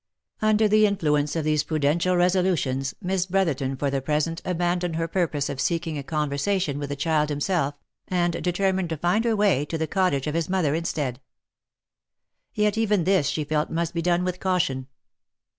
Under the influence of these prudential resolutions, Miss Bro therton tor the present abandoned her purpose of seeking a conver sation with the child himself, and determined to find her way to the cottage of his mother instead. Yet even this she felt must be done with caution.